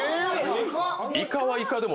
イカはイカでも。